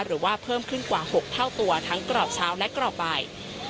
เพิ่มขึ้นกว่า๖เท่าตัวทั้งกรอบเช้าและกรอบบ่าย